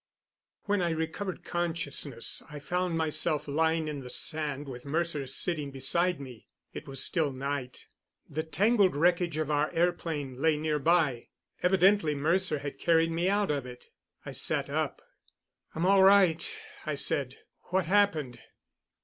When I recovered consciousness I found myself lying in the sand with Mercer sitting beside me. It was still night. The tangled wreckage of our airplane lay near by; evidently Mercer had carried me out of it. I sat up. "I'm all right," I said. "What happened?"